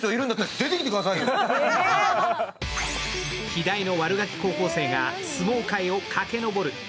希代の悪ガキ高校生が相撲界を駆け上がる。